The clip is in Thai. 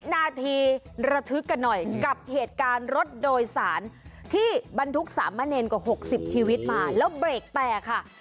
นาทีระทึกกันหน่อยกับเหตุการณ์รถโดยสารที่บรรทุกสามเณรกว่า๖๐ชีวิตมาแล้วเบรกแตกค่ะ